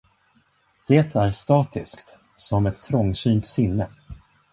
Det är statiskt, som ett trångsynt sinne.